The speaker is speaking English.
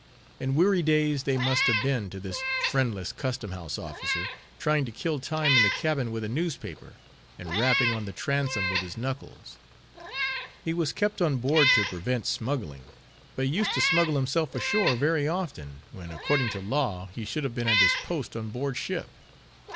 And weary days they must have been to this friendless custom house officer; trying to kill time in the cabin with a newspaper; and rapping on the transom with his knuckles. He was kept on board to prevent smuggling; but he used to smuggle himself ashore very often, when, according to law, he should have been at his post on board ship.